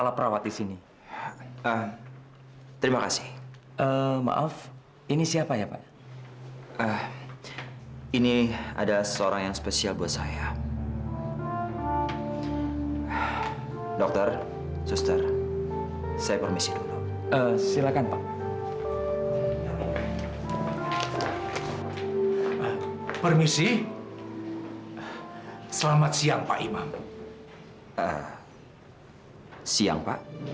gue datang ke sini ingin menjenguk saudara gue